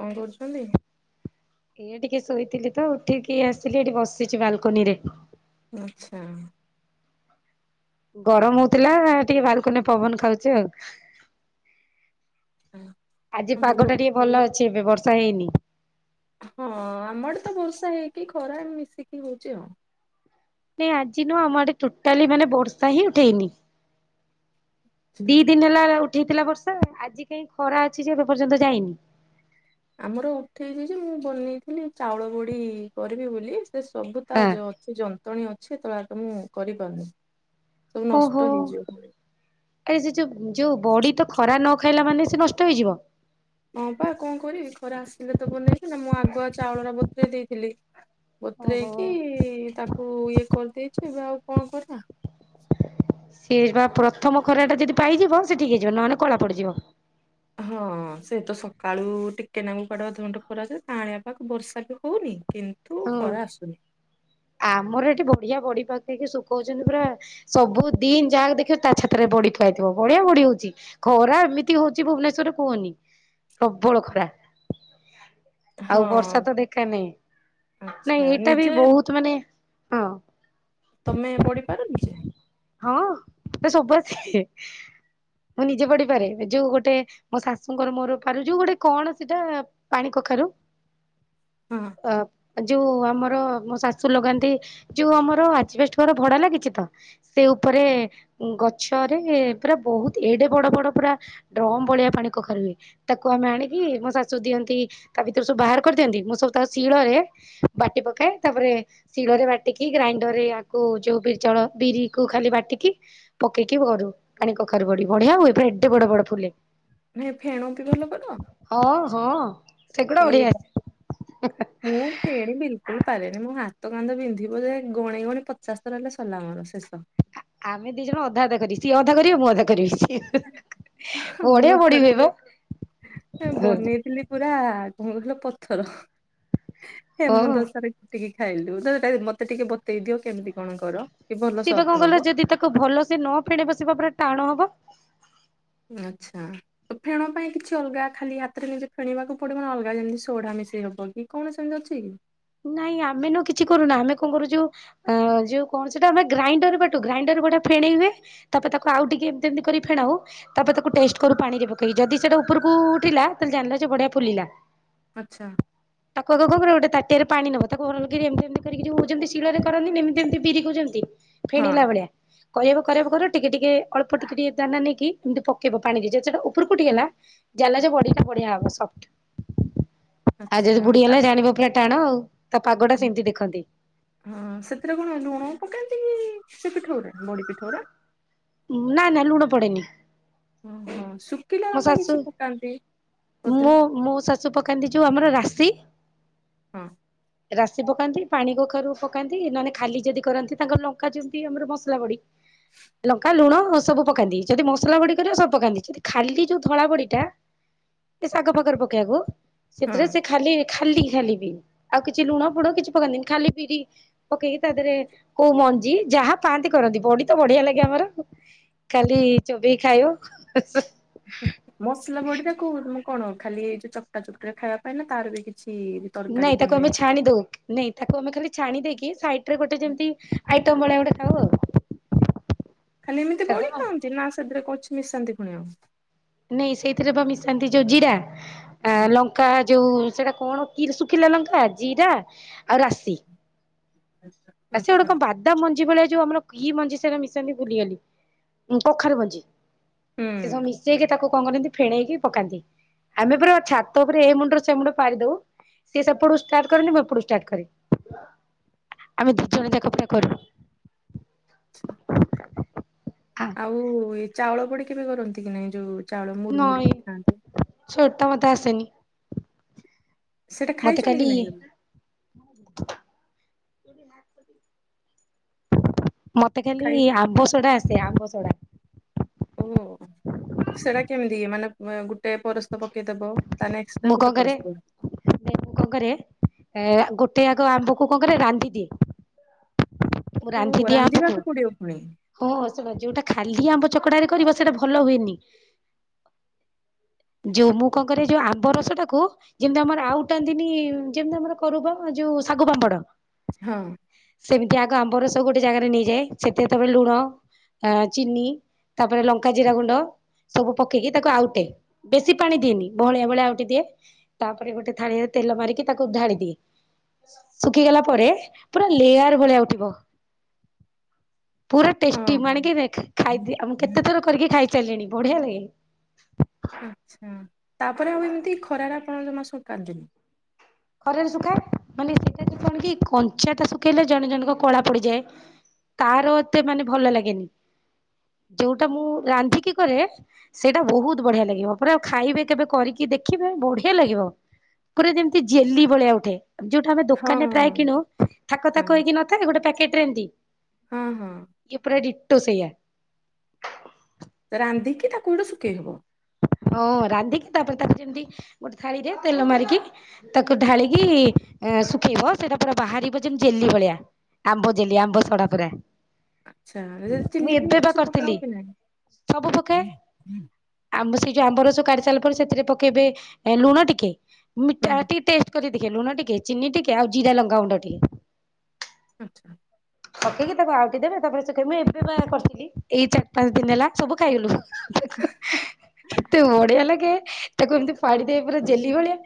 କଣ କରୁଛନ୍ତି? ଇଏ ଟିକେ ଶୋଇଥିଲି ତ ଉଠିକି ଆସିଲି ଏଠି ବସିଛି ବାଲକୋନିରେ। ଆଛା। ଗରମ ହୋଉଥିଲା ଟିକେ ବାଲକୋନୀରେ ପବନ ଖାଉଛି ଆଉ। ହଁ। ଆଜି ଭଲ ପାଗଟା ଟିକେ ଭଲ ଅଛି ଏବେ, ବର୍ଷା ହେଇନି। ହଁ ଆମ ଆଡ଼େ ତ ବର୍ଷା ହେଇକି ଖରା ମିଶିକି ହୋଉଛି ଆଉ। ନାଇଁ ଆଜି ନୁହଁ ଆମ ଆଡେ ଟୋଟାଲି ମାନେ ବର୍ଷା ହିଁ ଉଠେଇନି। ଆଚ୍ଛା ଦି ଦିନ୍ ହେଲା ଉଠେଇଥିଲା ବର୍ଷା, ଆଜି କାହିଁ ଖରା ଅଛି ଯେ ଏବେ ପର୍ଯ୍ୟନ୍ତ ଯାଇନି। ଆମର ଉଠେଇଛି ଯେ ମୁଁ ବନେଇଥିଲି ଚାଉଳ ବଢି କରିବି ବୋଲି, ସେ ସବୁ ତା ହଁ। ଜ ସେ ଯନ୍ତଣୀ ଅଛି ତ ଆଗ ମୁଁ କରିପାରୁନି। ସବୁ ନଷ୍ଟ ଓହୋ, ହେଇଯିବ ପୁଣି। ଆରେ ସେ ଯୋଉ ଯୋଉ ବଡି ତ ଖରା ନ ସୁଖେଇଲା ମାନେ ସେ ନଷ୍ଟ ହେଇଯିବ। ହଁ ପା କଣ କରିବି, ଖରା ଆସିଲେ ତ ବନେଇବି ନା ମୁଁ ଆଗୁଆ ଚାଉଳ ରା ବତୁରେଇ ଦେଇଥିଲି। ଓହୋ। ବତୁରେଇକି ତାକୁ ଇଏ କରିଦେଇଛି, ଏବେ ଆଉ କଣ କରିବା। ସିଏ ବା ପ୍ରଥମ ଖରାଟା ଯଦି ପାଇଯିବ, ସେ ଠିକ୍ ହେଇଯିବ। ନହେଲେ କଳା ପଡିଯିବ। ହଁ ସେ ତ ସକାଳୁ ଟିକେ ନାଙ୍କୁ କୁଆଡେ ଅଧଘଣ୍ଟେ ଖରା ଦିଏ, କାଅଁଳିଆ ପାଗ ବର୍ଷା ବି ହୋଉନି। କିନ୍ତୁ ତୁ ହଁ ଖରା ଆସୁନି। ଆମର ଏଠି ବଢିଆ ବଡିି ପକେଇକୀ ଶୁଖଉଛନ୍ତି ପୁରା ସବୁ ଦିନ ଯାହାକୁ ଦେଖିବ ତା ଛାତରେ ବଢିଥୁଆହେଇଥିବ ବଢିଆ ବଢି ହଉଛି। ଖରା ଏମିତି ହଉଛି ଭୁବନେଶ୍ୱରରେ କୁହନି ପ୍ରବଳ ଖରା। ଆଉ ହଁ ବର୍ଷା ତ ଦେଖା ନାଇଁ ଆଚ୍ଛା ନାଇଁ ଏଇଟା ବି ନିଜେ ବହୁତ ମାନେ ହଁ। ତମେ ବଢି ପାରନି ଯେ? ହଁ ସବୁ ଆସ ମୁଁ ନିଜେ ବଡିପାରେ ନିଜକୁ ଗୋଟେ ମୋ ଶାଶୁଙ୍କର ମୋର ପାରୁଛୁ ଗୋଟେ କଣ ସେଇଟା ପାଣି କଖାରୁ। ହଁ ଆ। ଯୋଉ ଆମର ମୋ ଶାଶୁ ଲଗାନ୍ତି ଯୋଉ ଆମର ଆଜବେଷ୍ଟ ଘର ଭଡା ଲାଗିଛି ତ। ସେ ଉପରେ ଆଚ୍ଛା ଗଛରେ ପୁରା ବହୁତ ଏଡେ ବଡ ବଡ ପୁରା ଡ୍ରମ୍ ଭଳିଆ ପାଣିକଖାରୁ ହୁଏ। ତାକୁ ଆମେ ଆଣିକି ମୋ ଶାଶୁ ଦିଅନ୍ତି ତା ଭିତରୁ ସବୁ ବାହାର କରିଦିଅନ୍ତି ମୁଁ ସବୁ ତା ଶିଳରେ ବାଟି ପକାଏ ତାପରେ ଶିଳରେ ବାଟିକି ଗ୍ରାଇଣ୍ଡର ରେ ଆକୁ ଯୋଉ ବିରି ଚାଉଳ ବିରି କୁ ଖାଲି ବାଟିକି ପକେଇକି କରୁ ପାଣି କଖାରୁ ବଡି ବଢିଆ ହୁଏ ପୁରା ଏଡ଼େ ବଡ ବଡ ଫୁଲେ। ନାଇଁ ଫେଣନ୍ତି ଭଲ କର? ହଁ ହଁ ସେଗୁଡା ଏ ବଢିଆ ବା ମୁଁ ଫେଣୀ ବିଲକୁଲ ପାରେନି ମୋ ହାତ କାନ୍ଧ ବିନ୍ଧିବ ଯେ ଗଣେଇ ଗଣ ପଚାଶ ଥର ହେଲେ ସଲା ମୋର ଶେଷ। ଆମେ ଦି ଜଣ ଅଧା ଅଧା କରିବ ସିଏ ଅଧା କରିବେ ମୁଁ ଅଧା କରିବି। ବଢିଆ ମୁଁ ଥରେ ବଢିବେ ବା ବନେଇଥିଲି। ପୁରା କଣ ହେଲା ପଥର ହେମ ହଁ ଦସ୍ତାରେ ଟିକେ ଖାଇଲୁ ତ ସେଟା ମତେ ଟିକେ ବତେଇ ଦିଅ କେମିତି କଣ କର? କି ଭଲ ସେ ବା ସଫ୍ଟ କଣ ହବ କହିଲ ଯଦି ତାକୁ ଭଲସେ ନ ଫେନେଇବ ସେ ପା ପୁରା ଟାଣ ହବ। ଆଚ୍ଛା। ତ ଫେଣ ପାଇଁ କିଛି ଅଲଗା ଖାଲି ହାତରେ ନିଜେ ଫେଣିବାକୁ ପଡିବନା ଅଲଗା ଯେମିତି ସୋଢା ମିଶେଇ ହବ କି? କଣ ସେମିତି ଅଛି କି? ନାଇଁ ଆମେ ନ କିଛି କରୁନା ଆମେ କଣ କରୁଯୋଉ ଅ ଯୋଉ କଣ ସେଟା ଆମେ ଗ୍ରାଇଣ୍ଡର ବାଟୁ ଗ୍ରାଇଣ୍ଡର ଗୋଟା ଫେଣେଇ ହୁଏ। ତାପରେ ତାକୁ ଆଉ ଟିକେ ଏମତି ଏମିତି କରି ଫେଣାଉ ତାପରେ ତାକୁ ଟେଷ୍ଟ କରୁ ପାଣିରେ ପକେଇ ଯଦି ସେଟା ଉପରକୁ ଉଠିଲା ତାହେଲେ ଜାଣିଲ ଯେ ବଢିଆ ଫୁଲିଲା ଆଛା। ତାକୁ ଆଗ କଣ କରିବ ଗୋଟେ ତାଟ ରେ ପାଣି ନେବ ତାକୁ ଭଲକିରି ଏମିତି ଏମିତି ଯେମିତି ଶିଳରେ କରନ୍ତିିନି ଏମତି ଏମତି ବିରିକୁ ଯେମିତି। ହଁ ଫେଣିଲା ଭଳିଆ କରିବ କରିବ କରିବ ଟିକେ ଟିକେ ଅଳ୍ପ ଟିକେ ଟିକେ ଦାନା ନେଇକି ଏମିତି ପକେଇବ ପାଣିରେ ଯଦି ସେଇଟା ଉପରକୁ ଉଠିଗଲା ଜାଣିଲ ଯେ ବଢିଟା ବଢିଆ ହବ ସଫ୍ଟ। ଆଉ ଯଦି ଆଚ୍ଛା ବୁଡୀ ତା ଗଲା ଜାଣିବ ପୁରା ଟାଣ ଆଉ। ତା ପାଗ ଟା ସେମିତି ଦେଖନ୍ତି। ହଁ ସେଥିରେ କଣ ଲୁଣ ପକାନ୍ତି କି ସେ ପିଠଉ ରେ ବଡି ପିଠରେ? ନା ନା ଲୁଣ ପଡେନି। ହୁଁ ହଁ ସୁଖ ମୋ ଶାଶୁ ବୋଧେ ମୁଁ ମୋ ଶାଶୁ ପକାନ୍ତି ଯୋଉ ଆମର ରାଶି। ହଁ। ରାଶି ପକାନ୍ତି ପାଣି କଖାରୁ ପକାନ୍ତି ନହେଲେ ଖାଲି ଯଦି କରନ୍ତି ତାଙ୍କର ଲଙ୍କା ଯେମିତି ଆମର ମସଲା ବଡି ଲଙ୍କା ଲୁଣ ସବୁ ପକାନ୍ତିି ଯଦି ମସଲା ବଡି କରିବ ସବୁ ପକାନ୍ତିି ଯଦି ଖାଲି ଯୋଉ ଧଳା ବଡି ଟା ସେ ଶାଗ ପାଖରେ ପକେଇବାକୁ ହଁ। ସେଥିରେ ସେ ଖାଲି ଖାଲି ଖାଲି ପି ଆଉ କିଛି ଲୁଣ ଫୁଣ କିଛି ପକାନ୍ତିନି ଖାଲି ବିରି ପକେଇକି ତା ଧେରେ କୋଉ ମଞ୍ଜି ଯାହା ପାଆନ୍ତି କରନ୍ତି ବଡି ତ ବଢିଆ ଲାଗେ ଆମର ଆଉ। ଖାଲି ଚୋବେଇ ଖାଇବୁ। ହୁଁ ମସଲା ବଡିରେ କଉ ବ କଣ ଖାଲି ଏ ଯୋଉ ଚକଟା ଚକଟିରେ ଖାଇବା ପାଇଁ ନା ତାର ବି କିଛି ତରକାରୀ ନାଇଁ ତାକୁ ବନେ? ଆମେ ଛାଣି ଦଉ। ନାଇଁ ତାକୁ ଆମେ ଖାଲି ଛାଣି ଦେଇକି ସାଇଟରେ ଗୋଟେ ଯେମିତି ଆଇଟମ ଭଳିଆ ଗୋଟେ ଖାଉ ଆଉ। ଖାଲି ଏମିତି ବଳି ଛାଡିଦବ ଖାଆନ୍ତି ନା ସେଥିରେ କୁଛି ମିଶାନ୍ତି ପୁଣି ଆଉ। ନାଇଁ ସେଇଥିରେ ବା ମିଶାନ୍ତି ଯୋଉ ଜିରା ଆ ଲଙ୍କା ଯୋଉ ସେଟା କଣ କି ଶୁଖିଲା ଲଙ୍କା ଜିରା ଆଉ ରାଶି। ଆ ସିଏ ଗୋଟେ ଆଚ୍ଛା କଣ ବାଦ ତା ମଞ୍ଜି ଭଳିଆ ଯୋଉ ଆମର କି ମଞ୍ଜି ସେଟା ମିଶାନ୍ତି ଭୁଲିଗଲି ଉଁ କଖାରୁ ମଞ୍ଜି। ହୁଁ। ସେ ସବୁ ମିଶେଇକି ତାକୁ କଣ କରନ୍ତି ଫେଣେଇକି ପକାନ୍ତି। ଆମେ ପୁରା ଛାତ ଉପରେ ଏ ମୁଣ୍ଡରୁ ସେ ମୁଣ୍ଡ ପାରିଦଉ। ସିଏ ସେପଟୁ ଷ୍ଟାର୍ଟ କରନ୍ତି ମୁଁ ଏପଟୁ ଷ୍ଟାର୍ଟ କରେ ଆମେ ଦି ଜଣ ଜାଙ୍କ ପୂରା କରୁ। ଛା। ଆ ଆଉ ଏ ଚାଉଳ ବଡି କି ବି କରନ୍ତି କି ନାଇଁ ଯୋଉ ଚାଉଳ ମୁଡି ମୁଡିି ନଈ ଖାଆନ୍ତି। ସେଟା ମୋତେ ଆସେନି। ସେଟା ମତେ ଖାଇଛନ୍ତି ଖାଲି କି ନାହିଁ କେବ? [unintelligible] ମତେ ଖାଲି ଖାଇ ଆମ୍ବ ସଡା ଆସେ ଆମ୍ବ ସଡା। ଓ ସେରା କେମିତି ମାନେ ଏ ଗୋ ଟେ ପରସ୍ତ ପକେଇଦବ ତାନେ ଏକ୍ସଟ୍ରା ଗୋଟେ ପରସ୍ତ ଦବ। ମାନେ ମୁଁ କଣ କରେ ଏ ଆ ଗୋଟେ ଆଗ ଆମ୍ବକୁ କଣ କରେ ରାନ୍ଧିଦିଏ। ଓହୋ ଆମ୍ବକୁ ରାନ୍ଧିବାକୁ ପଡିବ ପୁଣି। ହଁ ଶୁଣ ଯୋଉଟା ଖାଲି ଆମ୍ବ ଚକଟାରେ କରିବ ସେଇଟା ଭଲ ହୁଏନି। ଯୋଉ ମୁଁ କଣ କରେ ଯୋଉ ଆମ୍ବ ରସଟାକୁ ଯେମିତି ଆମର ଆଉଟାନ୍ତିନି ଯେମିତି ଆମର କରୁ ବୋ ଯଉ ଶାଗୁ ପାମ୍ପଡ। ହଁ। ସେମିତି ଆଗ ଆମ୍ବ ରସ ଗୋଟେ ଜାଗାରେ ନେଇଯାଏ ସେତେ ତା ପରେ ଲୁଣ ଆଁ ଚିନି ତାପରେ ଲଙ୍କା ଜିରା ଗୁଣ୍ଡ ସବୁ ପକେଇକି ତାକୁ ଆଉଟେ। ବେଶୀ ପାଣି ଦିଏନି ବହଳିଆ ବହଳିଆ ଆଉଟି ଦିଏ। ତାପରେ ଗୋଟେ ଥାଳିଆରେ ତେଲ ମାରିକି ତାକୁ ଢାଳି ଦିଏ। ଶୁଖିଗଲା ପରେ ପୁରା ଲେୟାର ଭଳିଆ ଉଠିବ। ପୁରା ହଁ ଟେଷ୍ଟି ମୁଁ ହଁ ଆଣିକି ଖାଇଦିଏ ମୁଁ କେତେଥର କରିକି ଖାଇ ସାରିଲିଣି ବଢିଆ ଲାଗେ। ଆଚ୍ଛା ତାପରେ ଆଉ ଏମିତି ଖରାରେ ଆପଣ ଜମା ସୁକାନ୍ତିନି? ଖରାରେ ଶୁଖାଏ ମାନେ ସେଟା ଯଉ କଣ କି କଞ୍ଚା ଟା ଶୁଖେଇଲେ ଜଣେ ଜଣଙ୍କ କଳା ପଡିଯାଏ। ତାର ଏତେ ମାନେ ଭଲ ଲାଗେନି ଯୋଉଟା ମୁଁ ରାନ୍ଧିକି କରେ ସେଇଟା ବହୁତ୍ ବଢିଆ ଲାଗିବ ପୁରା ଖାଇବେ କେବେ କରିକି ଦେଖିବେ ବଢିଆ ଲାଗିବ ପୁରା ଯେମ ଜେଲି ଭଳିଆ ଉଠେ ଯୋଉଠା ଆମେ ହଁ ଦୋକାନରେ ପ୍ରାୟ ହଁ କିଣୁ ଥାକ ଥାକ ହେଇକି ନ ନ ଥାଏ ଗୋଟେ ପ୍ୟାକେଟରେ ଏମତି। ହଁ ହଁ। ଇଏ ପୁରା ଡିଟୋ ସେଇଆ। ରାନ୍ଧିକି ତାକୁ ଗୋଟେ ଶୁକେଇ ହବ। ହଁ ରାନ୍ଧିକି ତାପରେ ତାପରେ ଯେମତି ଗୋଟେ ଥାଳିରେ ତେଲ ମାରିକି ତାକୁ ଢାଳିକି ଏ ଶୁଖେଇବ ସେଇଟା ପୁରା ବାହାରିବ ଯେମିତି ଜେଲି ଭଳିଆ ଆମ୍ବ ଜେଲି ଆମ୍ବ ସଡା ପୁରା। ଆଚ୍ଛା ଯଦି ମୁଁ ଚିନି ଫିନି ଏବେ ବା କିଛି ପକାଅ କରିଥିଲି କି ନାହିଁ? ଆମ୍ବ ସେଇ ଯୋଉ ଆମ୍ବରସ କାଢି ସାରିଲା ପରେ ସେଥିରେ ପକେଇବେ ଲୁଣ ଟିକେ ହୁଁ ମିଠା ଟିକେ ଟେଷ୍ଟ କରି ଦେଖେ ଲୁଣ ଟିକେ, ଚିନି ଟିକେ, ଆଉ ଜିରା ଲଙ୍କା ଗୁଣ୍ଡା ଟିକେ। ଆଚ୍ଛା। ପକେଇକି ତାକୁ ଆଉଟି ଦେବେ ତାପରେ ଶୁଖେଇ ମୁଁ ଏବେ ବା କରିଥିଲି ଏଇ ଚାରି ପାଞ୍ଚ ଦିନ ହେଲା ସବୁ ଖାଇଗଲୁ। କେତେ ବଢିଆ ଲାଗେ ତାକୁ ଏମତି ଫାଡ଼ି ଦେବେ ପୁରା ଜେଲି ଭଳିଆ।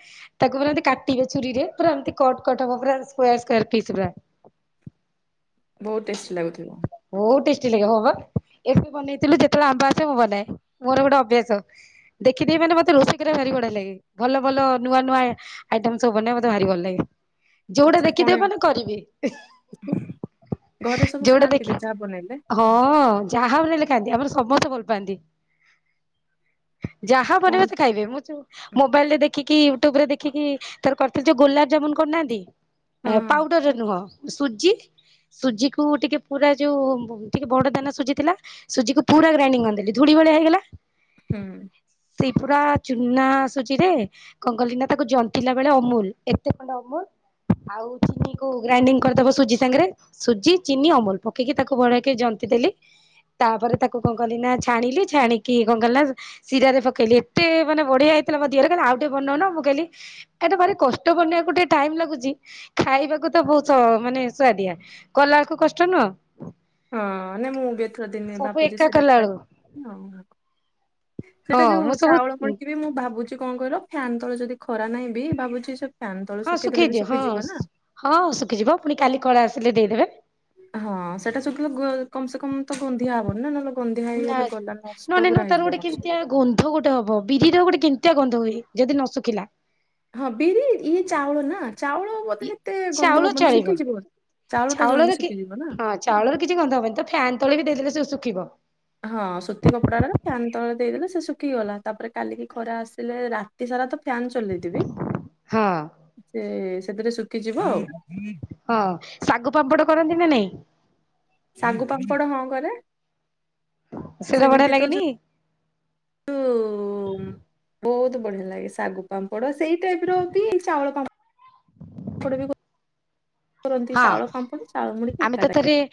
ତାକୁ ପୁରା ଏମତି କାଟିବେ ଛୁରୀରେ ପୁରା ଏମତି କଟ କଟ ହବ ପୂରା ସ୍କୋୟାର ସ୍କୋୟାର ଫିସ୍ ଗୁରା। ବହୁତ ଟେଷ୍ଟି ଲାଗୁଥିବ। ବହୁତ ଟେଷ୍ଟି ଲାଗେ ହଁ ବା ଏବେ ବନେଇଥିଲୁ ଯେତେଳେ ଆମ୍ବ ଆସେ ମୁଁ ବନାଏ। ମୋର ଗୋଟେ ଅଭ୍ୟାସ। ଦେଖିଦେବି ମାନେ ମତେ ରୋଷେଇ କରିବା ଭାରି ବଢିଆ ଲାଗେ ଭଲ ଭଲ ନୂଆ ନୂଆ ଆଇଟମ୍ ସବୁ ବନେ ମତେ ଭାରି ଭଲ ଲାଗେ। ଯୋଉଟା ଆଚ୍ଛା କଣ ଦେଖିଦେବି ମାନେ କରିବି ଘରେ ସବୁ ଯୋଉଟା ଖାଆନ୍ତି ବି ଦେଖି ଯାହା ବନେଇଲେ ହଁ-ଅ-ଅ ଯାହା ବନେଇଲେ ଖାଆନ୍ତି ଆମର ସମସ୍ତେ ଭଲ ପାଆନ୍ତି। ଯାହା ବନେଇବେ କଣ ସେ ଖାଇବେ ମୁଁ ତ ମୋବାଇଲ ରେ ଦେଖିକି କି ୟୁଟ୍ୟୁବ ରେ ଦେଖିକି ତାର କରିଥିଲି ଗୋଲାପ ଜାମୁନ କରୁନାହାନ୍ତି ହଁ ଏ ପାଉଡରେ ନୁହଁ ସୁଜି ସୁଜିକୁୁ ଟିକେ ପୁରା ଯୋଉ-ଉ-ଉ ଟିକେ ବଡ ଦାନା ସୁଜି ଥିଲା ସୁଜିକୁ ପୁରା ଗ୍ରାଇଡିଂ କରିଦେଲି ଧୂଳି ଭଳିଆ ହେଇଗଲା। ହୁଁ। ସେ ପୁରା-ଆ ଚୁନା-ଆ-ଆ ସୁଜିରେ କଣ କଲିନା ତାକୁ ଜନ୍ତିଲା ବେଳେ ଅମୁଲ ଏତେ ଖଣ୍ଡ ଅମୁଲ ଆଉ ଚିନି କୁ ଗ୍ରାଇଣ୍ଡିଙ୍ଗ କରିଦବ ସୁଜି ସାଙ୍ଗରେ ସୁଜି ଚିନି ଅମୁଲ ପ ପକେଇକି ତାକୁ ବଢିଆକି ଜନ୍ତି ଦେଲି। ତାପରେ ତାକୁ କଣ କଲିି ନା ଛାଣିଲି ଛାଣିକି କଣ କଲି ନା ଶିରାରେ ପକେଇଲି ଏତେ-ଏ-ଏ ମାନେ ବଢିଆ ହେଇଥିଲା ମୋ ଦିଅର କହିଲେ ଆଉ ଟିକେ ବନଉନ ମୁଁ କହିଲି ଏଟା ଭାରି କଷ୍ଟ ବନେଇବାକୁ ଟିକେ ଟାଇମ ଲାଗୁଛି। ଖାଇବାକୁ ତ ବହୁତ ସ ମାନେ ସୁଆଦିଆ କଲା ବେଳକୁ କଷ୍ଟ ନୁହଁ। ହଁ-ଅ-ଅ ନାଇଁ ମୁଁ ବି ଏଥର ଦିନେ ସବୁ ବାପୁଜି ଏକା ସିରା କଲା ଟ୍ରା ବେଳକୁ ହଁ ସେଟା ହଁ ଯୋଉ ମୁଁ ଚାଉଳ ସବୁ ପଡିକି ବି ମୁଁ ଭାବୁଛି ଯ କଣ କହିଲ ଫ୍ୟାନ ତଳେ ଯଦି ଖରା ନାହିଁ ବି ଭାବୁଛି ସେ ଫ୍ୟାନ ତଳ ହଁ ଶୁଖେଇ ଦେଲେ ବି ଶୁଖେଇଦିଅ ହଁ ଶୁଖିଯିବ ନା। ହଁ ଶୁଖିଯିବ ପୁଣି କାଲି କଳା ଆସିଲେ ଦେଇଦେବେ। ହଁ ସେଇଟା ଶୁଖିଲେ କ କମ୍ ସେ କମ୍ ତ ଗନ୍ଧିଆ ହବନି ନା ନହେଲେ ଗନ୍ଧିଆ ନା ହେଇଗଲେ ଗଲା ନଷ୍ଟ ନହେଲେ ନ ପୁରା ତାର ହେଇଯିବ ଗୋଟେ ମୋର କେମିତିଆ ସବୁ। ଗନ୍ଧ ଗୋଟେ ହବ ବିରିର ଗୋଟେ କେମିତିଆ ଗନ୍ଧ ହୁଏ ଯଦି ନ ଶୁଖିଲା। ହଁ ବିରି ଇ ଚାଉଳ ନା ଚାଉଳ ବୋଧେ ଏତେ ଗନ୍ଧ ଚାଉଳ ହବନି ଚଳିବ ଶୁଖିଯିବ ଚାଉଳ ଟା ଜଲ୍ଦି ଶୁଖିଯିବ ନା। ଚାଉଳରେ କିଛି ଗନ୍ଧ ହବନି ତ ଫ୍ୟାନ୍ ତଳେ ବି ଦେଇଦେଲେ ସେ ଶୁଖିବ। ହଁ ସୁତି କପଡାଟାର ଫ୍ୟାନ୍ ତଳେ ଦେଇଦେଲେ ସେ ଶୁଖିଗଲା ତାପରେ କାଲିକି ଖରା ଆସିଲେ ରା ତି ସାରା ତ ଫ୍ୟନ୍ ଚଲେଇଦେବି। ହଁ। ସେ ସେଥିରେ ଶୁଖିଯିବ ଆଉ। ହଁ ଶାଗୁ ପାମ୍ପଡ କରନ୍ତି ନା ନାଇଁ? ଶାଗୁ ପାମ୍ପଡ ହଁ କରେ। ସେଟା ବଢିଆ ସେମିତି ତ ଲାଗେନି? ଯୋଉ ବହୁତ ବଢିଆ ଲାଗେ ଶାଗୁ ପାମ୍ପଡ ସେଇ ଟାଇପ ର ଯଦି ଚାଉଳ ପାମ୍ [unintelligible] ଡ଼ ଯୋ କରନ୍ତି ଚାଉଳ ପାମ୍ପଡ ଚାଉଳ ମୁଡିକି ଏକା ଟାଇ ରେ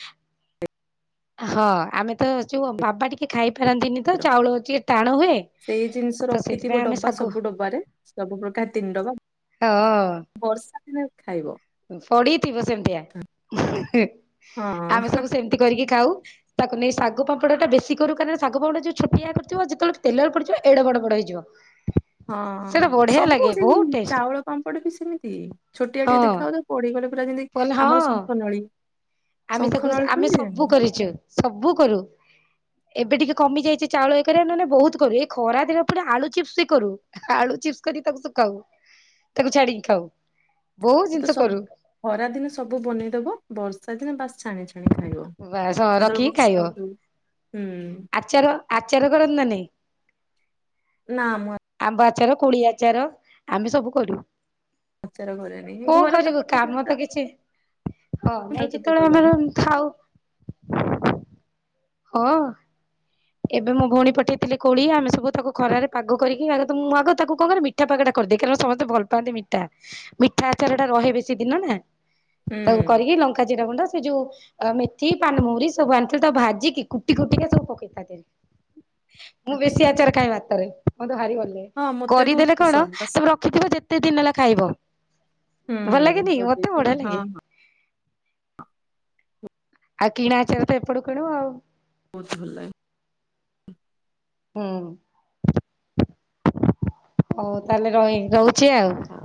ହଁ ଆମେ ତ ଅଚୁ ବାବା ଟିକେ ଖାଇପାରନ୍ତିନି ତ ର ଚାଉଳ ଯେ ଟାଣ ହୁଏ। ସେଇ ଜିନିଷ ତ ରଖିଥିବ ସେଥିପାଇଁ ଆମେ ଡବା ଶାଗୁ ସବୁ ଡବାରେ ସବୁ ପ୍ରକାର ତିନି ଡବା ହଅ। ବର୍ଷା ଦିନେ ଖାଇବ। ସଡିଥିବ ସେମତିଆ ଆମେ ହଁ ସବୁ ସେମିତି କରିକି ଖାଉ। ତାକୁ ନେଇ ଶାଗୁ ପାମ୍ପଡ ବେଶୀ କରୁ କାରଣ ଶାଗୁ ପାପଡ ଛୋଟିଆ କରିଥିବ ଯେତେବେଳେ ତେଲରେ ପଡିଯିବ ଏଡେ ବଡ ବଡ ହେଇଯିବ। ହଁ ସେଇଟା ବଢିଆ ସବୁ ଲାଗେ ସେଇ ବହୁତ ଟେଷ୍ଟ ଚାଉଳ ପାମ୍ପଡ ବି ସେମିତି ଛୋଟିଆ ଟିଏ ହଁ ଦେଖାଯାଉଥିବା ପଡିଗଲେ ପୁରା ଯେମିତି କହିଲେ ହଁ ଆମର ଶଙ୍ଖ ନଳୀ। ଆମେ ଶଙ୍ଖ ତାକୁ ନଳୀ ଆମେ ଫୁଲି ଜାଣିନ ସବୁ କରିଛୁ ସବୁ କରୁ। ଏବେ ଟିକେ କମିଯାଇଛି ଚାଉଳ ଏକ ରେ ନହେଲେ ବହୁତ କରୁ ଏଇ ଖରା ଦିନପୁରା ଆଳୁ ଚିପ୍ସ ବି କରୁ। ଆଳୁ ଚିପ୍ସ କରିକି ତାକୁ ଶୁଖାଉ ତାକୁ ଛାଡିକି ଖାଉ। ବହୁତ ଜିନିଷ ସବୁ କରୁ। ଖରା ଦିନେ ସବୁ ବନେଇଦବ ବର୍ଷା ଦିନ ବାସ୍ ଛାଣି ଛାଣି ଖା ଖାଇବ ବାସ ଯେତେବେଳେ ରଖିକି ବର୍ଷା ହଉଥି ହୁଁ। ଚାର ଆଚାର କରନ୍ତି ନା ନାଇଁ? ନା ମୁଁ ଆ ଆମ୍ବ ଆଚାର କୋଳି ଆଚାର ଆମେ ସବୁ କରୁ। ଆଚାର କରେନି କଣ ଘରେ ତ କରିବୁ ପଠେଇ କାମ ଦିଅନ୍ତି ତ ଆଉ। କିଛି ହଁ ମୁଁ ତ ନାଇଁ କେବେ ଯେତେବେଳେ କରୁନି ଆମର ଖାଉ ହଁ। ଏବେ ମୋ ଭଉଣୀ ପଠେଇଥିଲେ କୋଳି ଆମେ ସବୁ ତାକୁ ଖରାରେ ପାଗ କରିକି ଆଗ ମୁଁ ଆଗ ତାକୁ କଣ କରିବି ମିଠା ପଗଟା କରିଦିଏ କାରଣ ସମସ୍ତେ ଭଲ ପାଆନ୍ତି ମିଠା ମିଠା ଆଚାରଟା ରହେ ବେଶୀ ଦିନ ନା। ତାକୁ ହୁଁ କରିକି ଲଙ୍କା ଜିରା ଗୁଣ୍ଡ ସେ ଯୁ ମେଥି ପାନମହୁରି ସବୁ ଆଣିଥିଲେ ତାକୁ ଭାଜିକି କୁଟି କୁଟି ପକାଉ ତା ଦେହରେ ମୁଁ ଆଚ୍ଛା ବେଶୀ ଆଚାର ଖାଏ ଭାତରେ ମତେ ଭାରି ଭଲ ଲାଗେ। ହଁ ମତେ ବହୁତ କରିଦେଲେ କଣ ପସନ୍ଦ ବାସ୍ ତମର ଖିଥିବ ଯେତେ ଦିନ ହେଲା ଖାଇବ ହୁଁ ଭଲ ଲାଗେନି? ମତେ କରିଦେଇଥିବ ବଢିଆ ହଁ ଲାଗେ। ହଁ ଆଉ କିଣା ଆଚାର ତ ଏପଟୁ କିଣିବ ଆଉ। ବହୁତ ଭଲ ଲା ହୁଁ। ହଉ ତାହେଲେ ରହି ରହୁଛି ଆଉ। ହଉ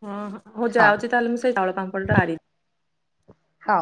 ହଁ ହଁ ହଉ ଯାଉଛି ତାହେଲେ ମୁଁ ସେଇ ଚାଉଳ ପାମ୍ପଳ ଟା ପାରି ହଉ।